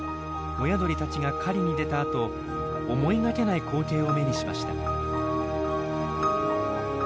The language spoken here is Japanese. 親鳥たちが狩りに出た後思いがけない光景を目にしました。